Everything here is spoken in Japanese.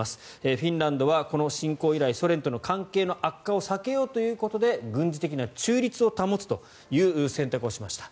フィンランドはこの侵攻以来ソ連との関係の悪化を避けようということで軍事的な中立を保つという選択をしました。